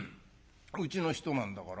うちの人なんだから。